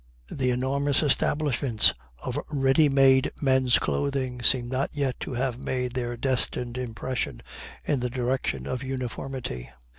The enormous establishments of ready made men's clothing seem not yet to have made their destined impression in the direction of uniformity.